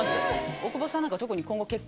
「大久保さんなんか特に」。